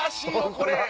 これ。